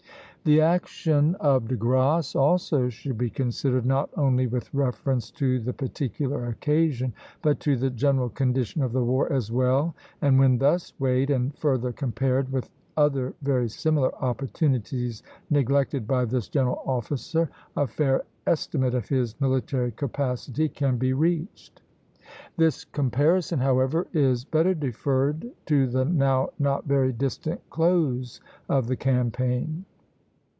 The action of De Grasse, also, should be considered not only with reference to the particular occasion, but to the general condition of the war as well, and when thus weighed, and further compared with other very similar opportunities neglected by this general officer, a fair estimate of his military capacity can be reached. This comparison, however, is better deferred to the now not very distant close of the campaign.